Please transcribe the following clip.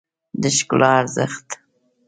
د ښکلا ارزښت